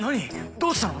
どうしたの？